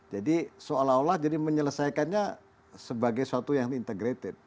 jadi seolah olah jadi menyelesaikannya sebagai suatu yang integrated